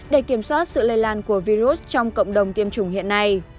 để kiểm soát sự lây lan của virus trong cộng đồng tiêm chủng hiện nay